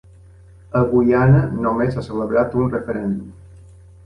A Guyana només s'ha celebrat un referèndum.